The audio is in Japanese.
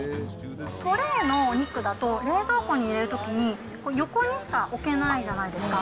トレイのお肉だと、冷蔵庫に入れるときに、横にしか置けないじゃないですか。